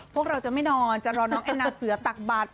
พวกเราจะไม่นอนจะรอน้องแอนนาเสือตักบัตร